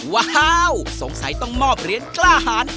ว้าวสงสัยต้องมอบเหรียญกล้าหาร